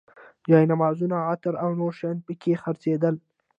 جاینمازونه، عطر او نور شیان په کې خرڅېدل.